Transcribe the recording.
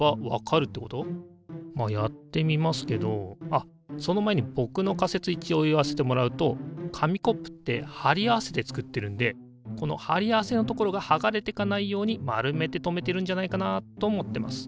まあやってみますけどあっその前に僕の仮説一応言わせてもらうと紙コップって貼り合わせて作ってるんでこの貼り合わせのところが剥がれてかないように丸めて留めてるんじゃないかなと思ってます。